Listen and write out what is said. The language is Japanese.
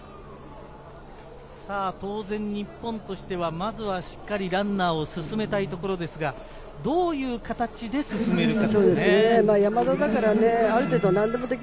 当然、日本としてはまずはしっかりランナーを進めたいところですが、どういう形で進めるか。